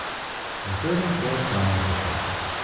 The third and fourth rounds were shot.